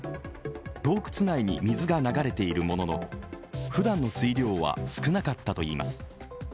洞窟内に水が流れているものの、ふだんの水量は少なかったといいます。